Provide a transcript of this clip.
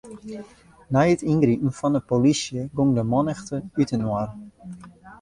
Nei it yngripen fan 'e polysje gong de mannichte útinoar.